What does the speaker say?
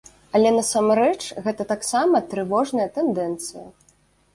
Але насамрэч гэта таксама трывожная тэндэнцыя.